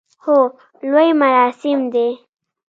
هو، لوی مراسم دی